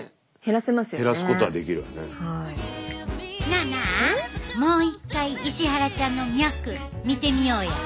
なあなあもう一回石原ちゃんの脈見てみようや。